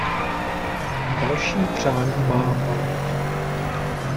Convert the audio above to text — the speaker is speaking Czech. Další přání má Bart.